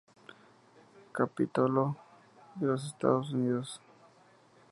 Capitolio de los Estados Unidos